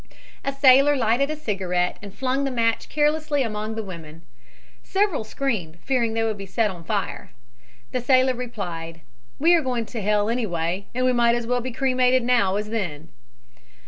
"A sailor lighted a cigarette and flung the match carelessly among the women. Several screamed, fearing they would be set on fire. The sailor replied: 'We are going to hell anyway and we might as well be cremated now as then.'"